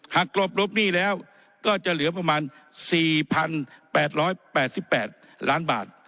กรบรบหนี้แล้วก็จะเหลือประมาณ๔๘๘ล้านบาท